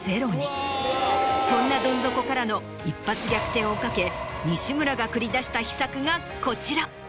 そんなどん底からの一発逆転を懸け西村が繰り出した秘策がこちら。